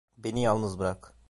Beni yalnız bırak!